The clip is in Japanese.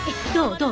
どう？